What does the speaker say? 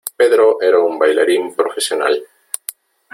Pedro era un bailarín profesional.